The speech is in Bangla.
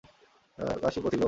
কাশী পথি, চল যাই।